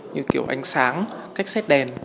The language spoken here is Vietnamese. như kiểu ánh sáng cách xét đèn